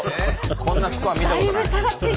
こんなスコア見たことない。